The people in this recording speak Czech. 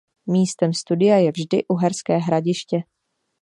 Místem studia je vždy Uherské Hradiště.